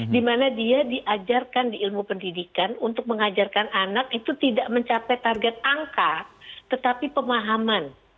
dimana dia diajarkan di ilmu pendidikan untuk mengajarkan anak itu tidak mencapai target angka tetapi pemahaman